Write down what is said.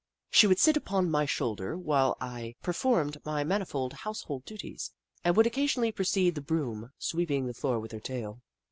She would sit upon my shoulder while I performed my manifold house hold duties, and would occasionally precede the broom, sweeping the floor with her tail.